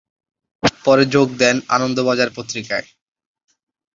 পরে যোগ দেন আনন্দবাজার পত্রিকায়।